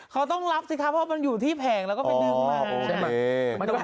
เขาต้องรับสิคะเพราะว่ามันอยู่ที่แผงแล้วก็ไปนึงมา